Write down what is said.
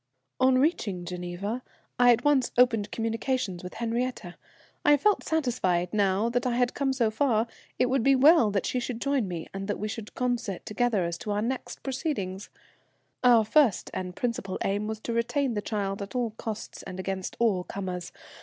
_] "On reaching Geneva I at once opened communications with Henriette. I felt satisfied, now that I had come so far, it would be well that she should join me, and that we should concert together as to our next proceedings. Our first and principal aim was to retain the child at all costs and against all comers.